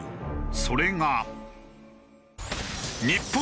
それが。